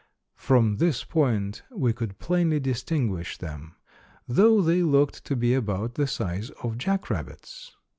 From this point we could plainly distinguish them, though they looked to be about the size of jack rabbits.